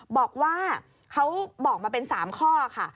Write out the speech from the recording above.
บอกว่าเขาบอกมาเป็น๓ข้อค่ะ